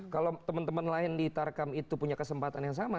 kalau teman teman lain di tarkam itu punya kesempatan yang sama